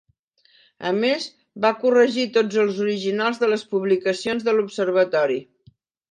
A més, va corregir tots els originals de les publicacions de l'observatori.